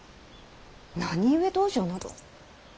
何故道場など。